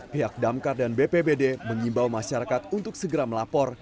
pihak damkar dan bpbd mengimbau masyarakat untuk segera melapor